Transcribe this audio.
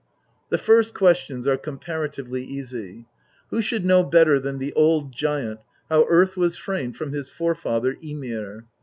The first questions are comparatively easy. Who should know better than the old giant how earth was framed from his forefather, Ymir.